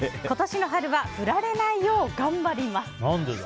今年の春は振られないよう頑張ります。